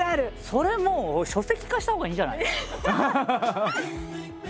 それもう書籍化したほうがいいんじゃない？